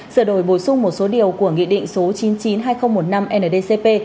sửa đổi bổ sung một số điều của nghị định số chín trăm chín mươi hai nghìn một mươi năm ndcp